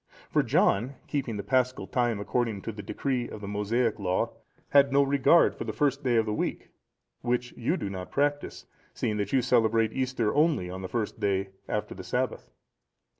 For John, keeping the Paschal time according to the decree of the Mosaic Law, had no regard to the first day of the week, which you do not practise, seeing that you celebrate Easter only on the first day after the Sabbath.